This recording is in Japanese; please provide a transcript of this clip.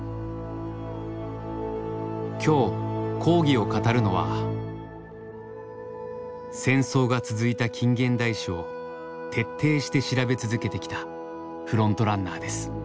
今日講義を語るのは戦争が続いた近現代史を徹底して調べ続けてきたフロントランナーです。